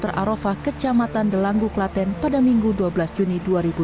di arafah kecamatan delanggu klaten pada minggu dua belas juni dua ribu dua puluh